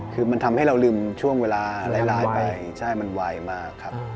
คือมันทำให้เราลืมช่วงเวลาไวไปมันไวมาก